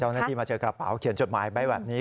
เจ้าหน้าที่มาเจอกระเป๋าเขียนจดหมายไปแบบนี้